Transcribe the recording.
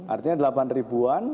artinya delapan ribuan